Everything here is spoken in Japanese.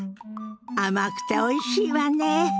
甘くておいしいわね。